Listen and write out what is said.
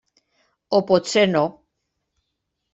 O potser no.